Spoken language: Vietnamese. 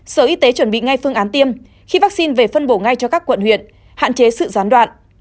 sở y tế chuẩn bị ngay phương án tiêm khi vaccine về phân bổ ngay cho các quận huyện hạn chế sự gián đoạn